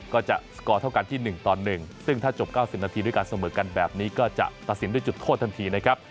ก็จะสกอร์เท่ากันที่๑ต่อ๑ซึ่งถ้าจบ๙๐นาทีด้วยการเสมอกันแบบนี้ก็จะตัดสินด้วยจุดโทษทันทีนะครับ